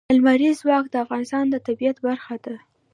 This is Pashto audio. لمریز ځواک د افغانستان د طبیعت برخه ده.